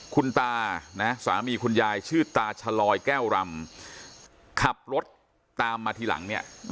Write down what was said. คุณตานะสามีคุณยายชื่อตาชะลอยแก้วรำขับรถตามมาทีหลังเนี่ย